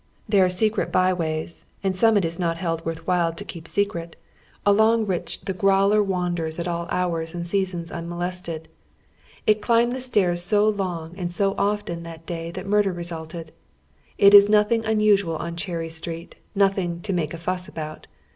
There are secret by ways, and some it is not held worth while to keep secret, along which the "growler" wanders at all hours and all seasons unmolested. It climbed the stairs so long and so often that day tliat nnii'der resulted. It is nothing unusual on Cherry Street, notliing to " make a fuss " about.